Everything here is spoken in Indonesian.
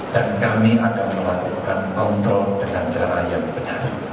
dan kami akan melakukan kontrol dengan cara yang benar